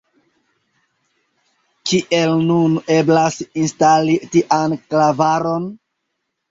Kiel nun eblas instali tian klavaron?